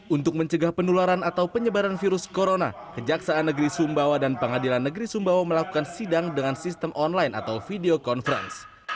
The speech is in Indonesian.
untuk mencegah penularan atau penyebaran virus corona kejaksaan negeri sumbawa dan pengadilan negeri sumbawa melakukan sidang dengan sistem online atau video conference